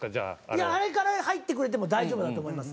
いやあれから入ってくれても大丈夫だと思います。